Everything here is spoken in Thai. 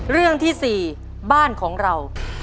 เรื่องที่๔บ้านของเรา